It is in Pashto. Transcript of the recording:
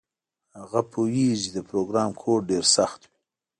هغه پوهیږي چې د پروګرام کوډ ډیر سخت وي